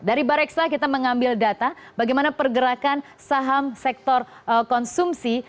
dari bareksa kita mengambil data bagaimana pergerakan saham sektor konsumsi